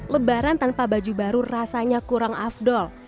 lebaran tanpa baju baru rasanya kurang afdol